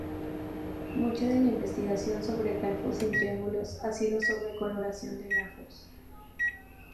Mucha de la investigación sobre grafos sin triángulos ha sido sobre coloración de grafos.